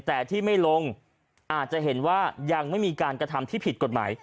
แต่ที่ไม่ลงอาจจะเห็นว่ายังไม่มีการกระทำที่ผิดกฎหมาย